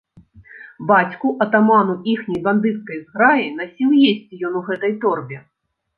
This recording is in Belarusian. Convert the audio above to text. Бацьку, атаману іхняй бандыцкай зграі, насіў есці ён у гэтай торбе.